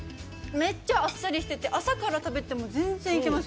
めっちゃあっさりしてて、朝から食べても全然いけます。